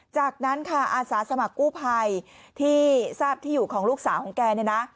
จากนั้นค่ะอาสาสมัครกู้ภัยที่ทราบที่อยู่ของลูกสาวของแกเนี่ยนะ